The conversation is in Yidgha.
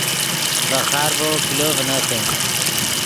ڤے خارڤو کلو ڤنتے